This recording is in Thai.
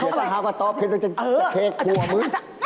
เดี๋ยวก็หาคำว่าตอบเพราะว่าจะเทครัวมึง